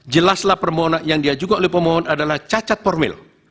jelaslah permohonan yang diajukan oleh pemohon adalah cacat formil